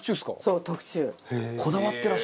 そう特注。